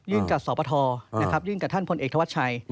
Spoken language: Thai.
กับสปทนะครับยื่นกับท่านพลเอกธวัชชัย